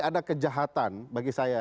ada kejahatan bagi saya